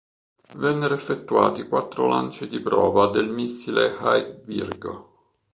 Vennero effettuati quattro lanci di prova del missile High Virgo.